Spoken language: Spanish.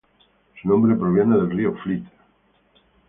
Su nombre proviene del río Fleet.